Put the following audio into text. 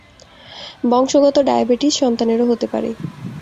বংশগত ডায়াবেটিস সন্তানেরও হতে পারে।